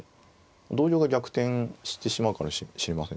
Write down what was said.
同玉は逆転してしまうかもしれませんね